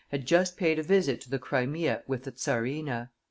had just paid a visit to the Crimea with the czarina.